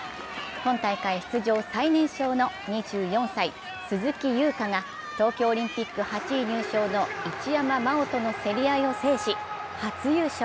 今大会出場最年少の２４歳・鈴木優花が東京オリンピック８位入賞の一山麻緒との競り合いを制し初優勝。